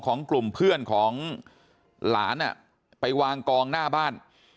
ของกลุ่มเพื่อนของหลานไปวางกองหน้าบ้าน